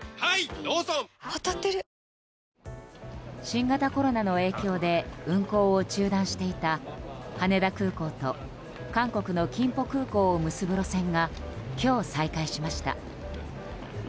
新型コロナの影響で運航を中断していた羽田空港と韓国のキンポ空港を結ぶ路線が今日、再開しました。